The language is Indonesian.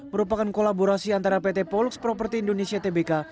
merupakan kolaborasi antara pt polux properti indonesia tbk